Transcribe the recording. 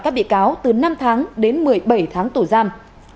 các bị cáo từ năm tháng đến một mươi bảy tháng tù giam